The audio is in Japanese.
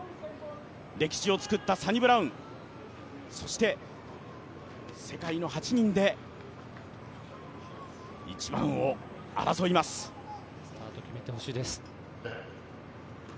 歴史を作ったサニブラウン、そして世界の８人で１番を争います。